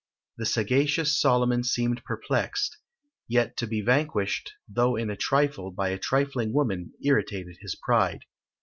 The sagacious Solomon seemed perplexed; yet to be vanquished, though in a trifle, by a trifling woman, irritated his pride.